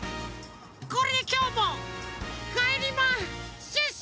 これできょうもかえりまシュッシュ！